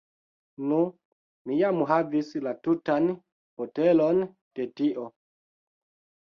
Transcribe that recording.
Nu, mi jam havis la tutan botelon de tio